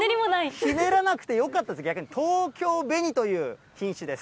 ひねらなくてよかったです、東京紅という品種です。